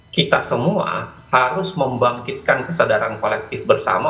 kita semua harus membangkitkan kesadaran kolektif bersama